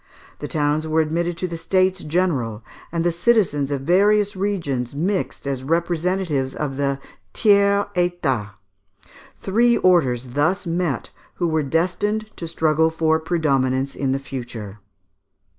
The towns were admitted to the states general, and the citizens of various regions mixed as representatives of the Tiers Etat. Three orders thus met, who were destined to struggle for predominance in the future.